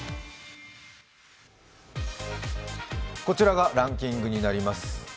こちらがランキングになります。